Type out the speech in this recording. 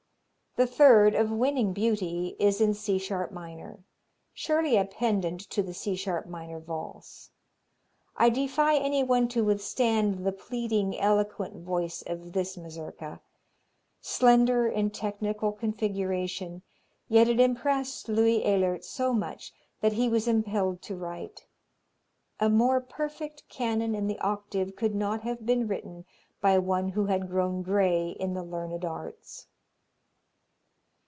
The third, of winning beauty, is in C sharp minor surely a pendant to the C sharp minor Valse. I defy anyone to withstand the pleading, eloquent voice of this Mazurka. Slender in technical configuration, yet it impressed Louis Ehlert so much that he was impelled to write: "A more perfect canon in the octave could not have been written by one who had grown gray in the learned arts."